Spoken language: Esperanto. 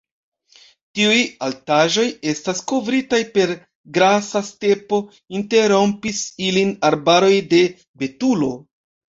Tiuj altaĵoj estas kovritaj per grasa stepo, interrompis ilin arbaroj de betulo.